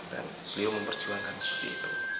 dan beliau memperjuangkan seperti itu